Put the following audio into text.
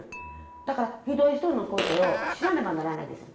だから一人一人の個性を知らねばならないです。